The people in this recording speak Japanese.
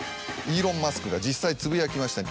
イーロン・マスクが実際つぶやきました。